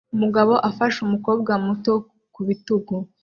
Umugabo ufashe umukobwa muto ku bitugu